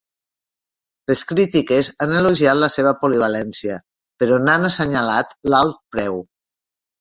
Les crítiques han elogiat la seva polivalència però n'han assenyalat l'alt preu.